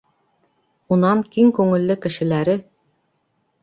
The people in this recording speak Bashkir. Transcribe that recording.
Унан киң күңелле кешеләре!